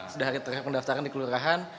sudah hari terakhir pendaftaran di kelurahan